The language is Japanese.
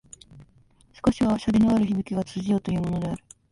少しは洒落のひびきが通じようというものである